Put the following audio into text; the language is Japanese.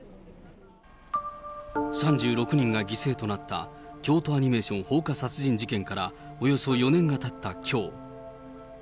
３６人が犠牲となった、京都アニメーション放火殺人事件からおよそ４年がたったきょう。